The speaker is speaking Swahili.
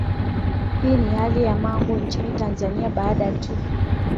hii ni hali ya mambo nchini tanzania baada tu